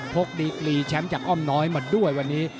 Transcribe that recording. ดีกรีแชมป์จากอ้อมน้อยมาด้วยวันนี้